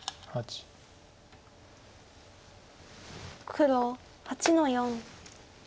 黒８の四。